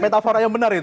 metafora yang benar itu